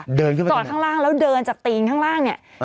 จอดข้างล่างแล้วเดินจากตีนข้างล่างเนี่ย